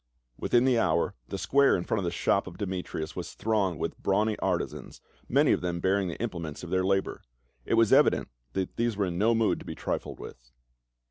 Within the hour the square in front of the shop of Demetrius was thronged with brawny artisans, many of them bearing the implements of their labor. It was evident that these were in no mood to be trifled with.